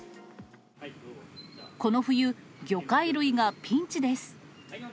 この冬、魚介類がピンチです。